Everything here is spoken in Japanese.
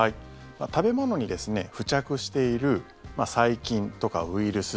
食べ物に付着している細菌とかウイルス